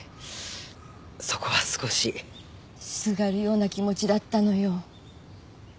そこは少しすがるような気持ちだったのよ